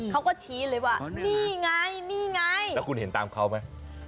เขาก็ชี้เลยว่านี่ไงนี่ไงแล้วคุณเห็นตามเขาไหม